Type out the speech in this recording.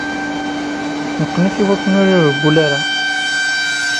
Neqqen-it iwakken ur irewwel ara.